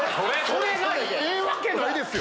⁉「それ」がええわけないですよ！